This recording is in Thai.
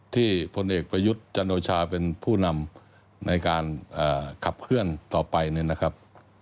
พลเอกประยุทธ์จันโอชาเป็นผู้นำในการขับเคลื่อนต่อไปเนี่ยนะครับ